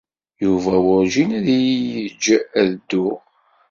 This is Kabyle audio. Yuba werjin ad iyi-yejj ad dduɣ.